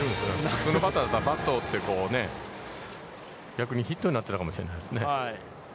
普通のバッターだったら、バットを折って、逆にヒットになってたかもしれないですね。